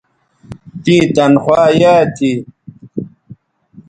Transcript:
تیں تنخوا یایئ تھی